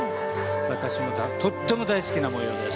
私もとっても大好きな模様です。